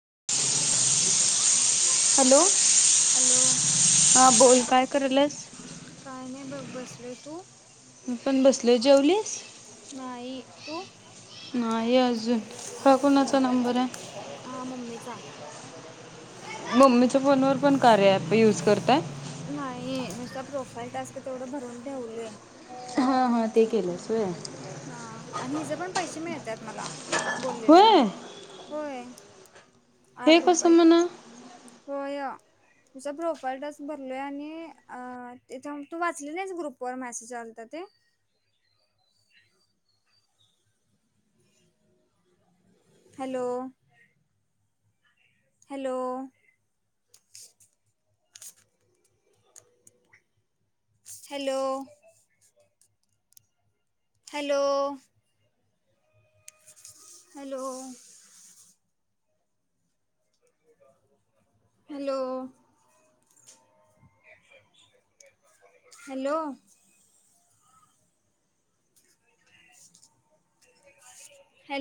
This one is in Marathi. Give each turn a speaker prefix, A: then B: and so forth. A: [inaudible] हॅलो.
B: हॅलो.
A: हा बोल काय कराल्सास.
B: काय नाही बघ बसलोय. तू
A: मी पण बसलोय. जेवलीस
B: नाही तु,
A: [unintelligible]
B: हा मम्मीच आहे
A: मम्मीच्या फोनवर पण कार्य ॲप युज करताय.
B: नाही नुसता प्रोफाईल टास्क तेवढं भरून ठेवलोय.
A: हा ते केलंस होय.
B: हा, आणि हिचे पण पैसे मिळतात, मला बोलेलं मी.
A: होय
B: होय,
A: हे
B: आठ
A: कसं
B: रुपये
A: म्हणा
B: होय. तुझा प्रोफाईल टास्क भरलोय, आणि तिथं तू वाचली नाहीच ग्रुपवर मॅसेज आलता ते, hello. Hello. Hello. Hello. Hello. Hello. Hello.